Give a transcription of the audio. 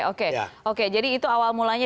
oke oke jadi itu awal mulanya